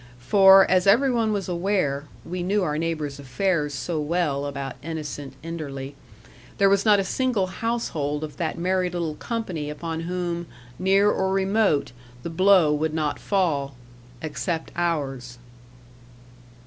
For, as every one was aware (we knew our neighbours' affairs so well about innocent Enderley), there was not a single household of that merry little company upon whom, near or remote, the blow would not fall except ours.